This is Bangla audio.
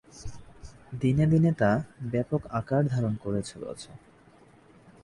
দিনে দিনে তা ব্যাপক আকার ধারণ করে চলেছে।